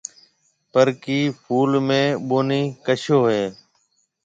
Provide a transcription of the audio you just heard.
پر ڪيَ ڦول ۾ ڀونڏِي کشڀوُ هوئي هيَ۔